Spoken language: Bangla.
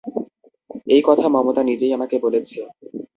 এই কথা মমতা নিজেই আমাকে বলেছে।